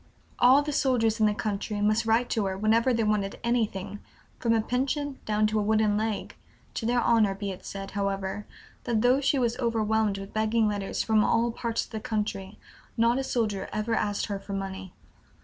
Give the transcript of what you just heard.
All the soldiers in the country must write to her whenever they wanted anything, from a pension down to a wooden leg (to their honor be it said, however, that though she was overwhelmed with begging letters from all parts of the country, not a soldier ever asked her for money).